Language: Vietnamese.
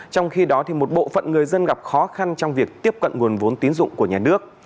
trong khi đó một bộ phận người dân gặp khó khăn trong việc tiếp cận nguồn vốn tín dụng của nhà nước